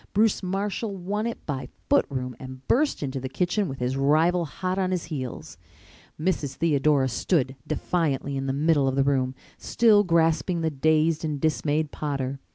Bruce Marshall won it by foot room and burst into the kitchen with his rival hot on his heels. Mrs. Theodora stood defiantly in the middle of the room, still grasping the dazed and dismayed Potter.